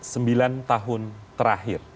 sembilan tahun terakhir